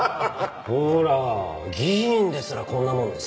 ほら議員ですらこんなもんです